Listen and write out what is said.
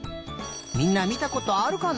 みんなみたことあるかな？